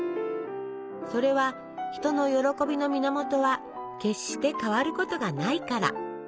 それは人の喜びの源は決して変わることがないから。